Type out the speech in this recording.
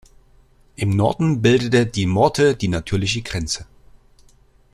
Im Norden bildet die Morte die natürliche Grenze.